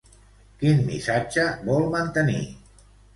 Quin missatge vol mantenir?